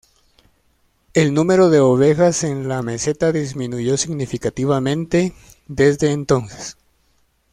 El número de ovejas en la meseta disminuyó significativamente desde entonces.